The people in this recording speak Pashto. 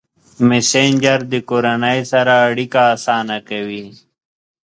مسېنجر د کورنۍ سره اړیکه اسانه کوي.